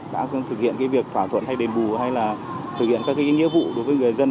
đã thực hiện việc thỏa thuận hay đền bù hay là thực hiện các nghĩa vụ đối với người dân